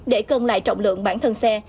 để cân lại trọng lượng bản thân xe